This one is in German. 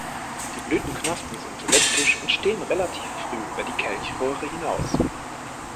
Die Blütenknospen sind elliptisch und stehen relativ früh über die Kelchröhre hinaus.